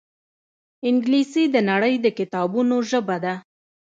انګلیسي د نړۍ د کتابونو ژبه ده